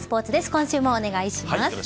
今週もお願いします。